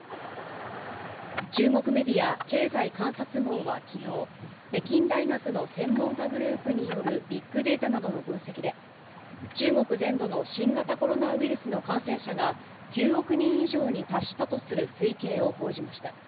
中国メディア、経済観察網はきのう、北京大学の専門家グループによるビッグデータなどの分析で、中国全土の新型コロナウイルスの感染者が、９億人以上に達したとする推計を報じました。